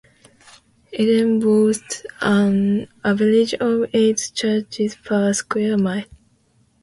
Eden boasts an average of eight churches per square mile.